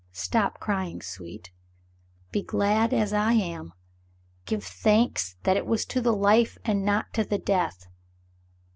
Stop crying, sweet; be glad as I am. Give thanks that it was to the life and not to the death.